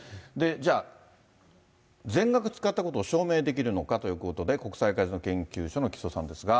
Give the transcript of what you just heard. じゃあ、全額使ったことを証明できるのかということで、国際カジノ研究所の木曽さんですが。